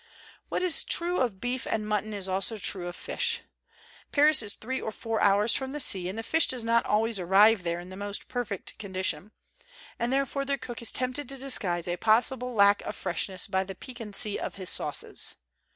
What is true of beef and mutton is true also of fish. Paris is three or four hours from the sea and fish does not always arrive there in the most perfect condition; and therefore the cook is tempted to disguise a possible lack of freshness by the piquancy of his sauces.